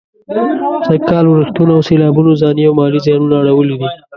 سږ کال ورښتونو او سېلابونو ځاني او مالي زيانونه اړولي دي.